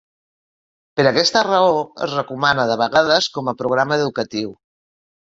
Per aquesta raó es recomana de vegades com a programa educatiu.